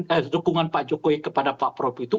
eh dukungan pak jokowi kepada pak prabowo itu